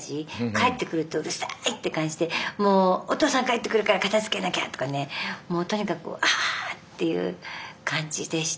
帰ってくるとうるさいって感じでもうお父さん帰ってくるから片づけなきゃとかねもうとにかくあっていう感じでした。